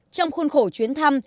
trong khuôn khổ chuyến thăm